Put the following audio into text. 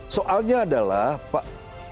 soalnya adalah pak